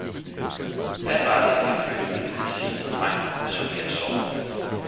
Da var det, jeg fødte min velsignede dreng, som her sover